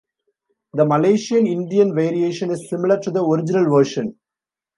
The Malaysian Indian variation is similar to the original version.